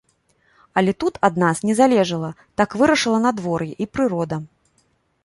Але тут ад нас не залежала, так вырашыла надвор'е і прырода.